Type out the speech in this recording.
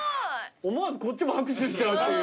思わずこっちも拍手しちゃうっていう。